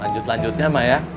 lanjut lanjutnya mah ya